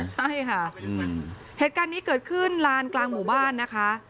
ใช่ค่ะเหตุการณ์นี้เกิดขึ้นลานกลางหมู่บ้านนะคะ